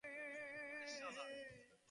ওরে, শালা!